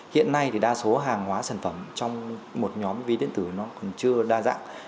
hiện nay thì đa số hàng hóa sản phẩm trong một nhóm ví điện tử nó còn chưa đa dạng